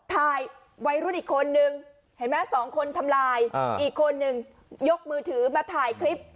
ถ่ายวัยรุ่นอีกคนนึงเห็นไหมสองคนทำลายอีกคนนึงยกมือถือมาถ่ายคลิป